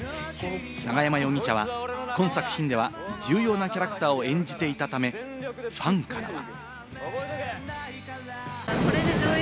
永山容疑者は今作品では重要なキャラクターを演じていたため、ファンからは。